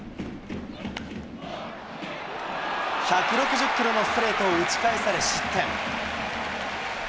１６０キロのストレートを打ち返され失点。